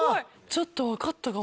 ちょっと分かったかも。